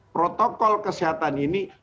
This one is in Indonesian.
protokol kesehatan ini